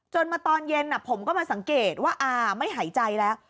มาตอนเย็นผมก็มาสังเกตว่าอาไม่หายใจแล้ว